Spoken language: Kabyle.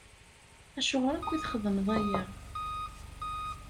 Acuɣer akk i txedmeḍ aya?